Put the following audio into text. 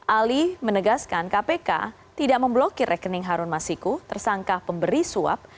ali menegaskan kpk tidak memblokir rekening harun masiku tersangka pemberi suap